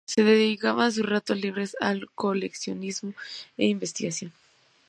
Dedicaba sus ratos libres al coleccionismo e investigación.